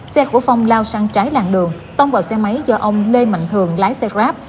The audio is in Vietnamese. xe của phong lao sang trái làng đường tông vào xe máy do ông lê mạnh thường lái xe grab